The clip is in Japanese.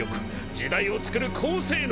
時代をつくる高性能。